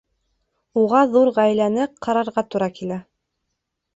Уға ҙур ғаиләне ҡарарға тура килә